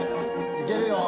いけるよ。